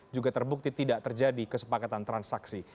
juga terbukti tidak terjadi kesepakatan transaksi